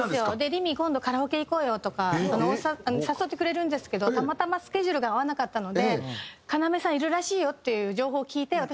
「りみ今度カラオケ行こうよ」とか誘ってくれるんですけどたまたまスケジュールが合わなかったので「要さんいるらしいよ」っていう情報を聞いて私は。